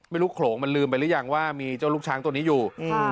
โขลงมันลืมไปหรือยังว่ามีเจ้าลูกช้างตัวนี้อยู่